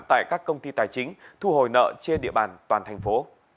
tại các công ty tài chính thu hồi nợ trên địa bàn toàn thành phố